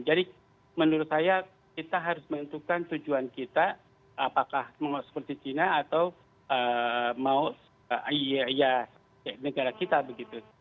jadi menurut saya kita harus menentukan tujuan kita apakah mau seperti china atau mau negara kita begitu